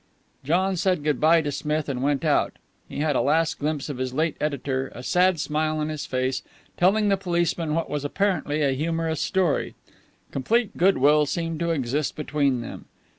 John said good by to Smith, and went out. He had a last glimpse of his late editor, a sad smile on his face, telling the policeman what was apparently a humorous story. Complete good will seemed to exist between them.